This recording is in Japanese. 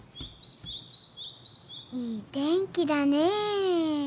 いい天気だねえ。